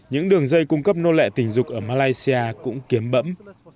những đường dây cung cấp nô lệ tình dục ở malaysia cũng kiếm bẫm